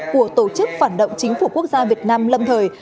của tổ chức phản động chính phủ quốc gia việt nam lâm thời